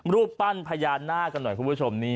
รูปปั้นพญานาคกันหน่อยคุณผู้ชมนี่